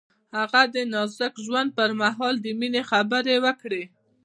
هغه د نازک ژوند پر مهال د مینې خبرې وکړې.